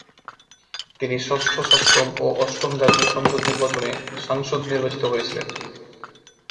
তিনি ষষ্ঠ, সপ্তম ও অষ্টম জাতীয় সংসদ নির্বাচনে সাংসদ নির্বাচিত হয়েছিলেন।